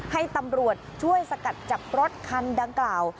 ให้ตำรวจช่วยสกัดจับรถคันดังกล่าว